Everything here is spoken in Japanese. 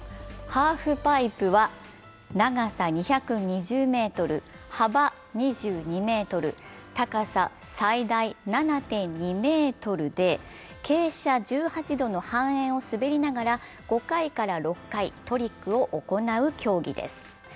ハーフパイプは長さ２２０ｍ、幅２２ｍ、高さ最大７．２ｍで、傾斜１８度の半円を滑りながら５回から６回トリックを行う競技です。